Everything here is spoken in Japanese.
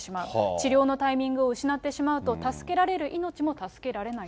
治療のタイミングを失ってしまうと、助けられる命も助けられない